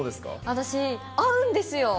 私、会うんですよ。